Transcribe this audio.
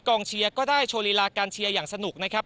เชียร์ก็ได้โชว์ลีลาการเชียร์อย่างสนุกนะครับ